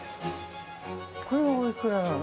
これはお幾らなの。